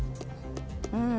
うん。